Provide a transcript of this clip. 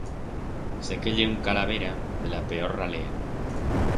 Sé que ye un calavera de la peor ralea.